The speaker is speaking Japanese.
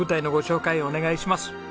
お願いします。